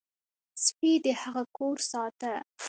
سپي د هغه کور ساته.